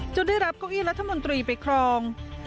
ได้รับเก้าอี้รัฐมนตรีไปครอง